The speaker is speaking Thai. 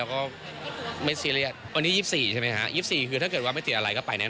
เราก็ไม่ซีเรียตอันนี้ยืบสี่ใช่ไหมคะยืบสี่คือถ้าเกิดว่าไม่เจ๋ออะไรก็ไปแน่